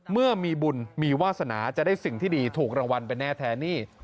เมื่อมีบุญมีวาสนาจะได้สิ่งที่ดีถูกรางวัลไปแน่แท้หนี้